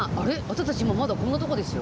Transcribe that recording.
私たち今まだこんなとこですよ。